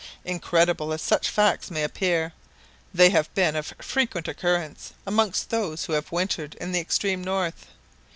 Incredible as such facts may appear, they have been of frequent occurrence amongst those who have wintered in the extreme north.